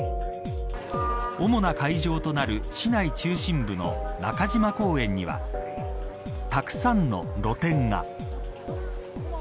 主な会場となる市内中心部の中島公園にはたくさんの露店が。